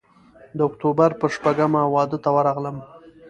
د اکتوبر پر شپږمه واده ته ورغلم.